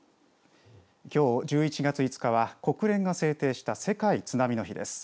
きょう、１１月５日は国連が制定した世界津波の日です。